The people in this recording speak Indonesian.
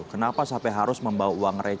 kenapa sampai harus membawa uang rejahan itu